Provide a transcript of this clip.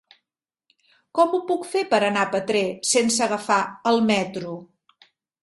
Com ho puc fer per anar a Petrer sense agafar el metro?